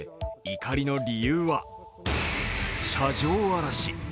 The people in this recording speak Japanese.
怒りの理由は、車上荒らし。